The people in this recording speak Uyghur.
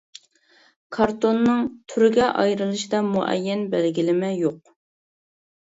كارتوننىڭ تۈرگە ئايرىلىشىدا مۇئەييەن بەلگىلىمە يوق.